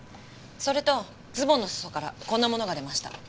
それとズボンの裾からこんなものが出ました。